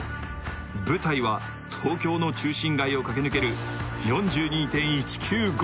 舞台は東京の中心街を駆け抜ける４２．１９５